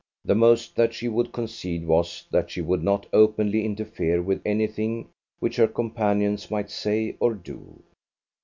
The most that she would concede was that she would not openly interfere with anything which her companions might say or do.